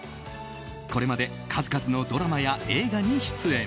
これまで数々のドラマや映画に出演。